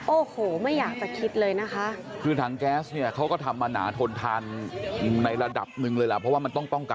โอ้โหไม่อยากจะคิดเลยนะคะ